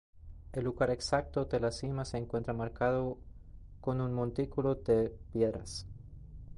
El lugar exacto de la cima se encuentra marcado con un montículo de piedras.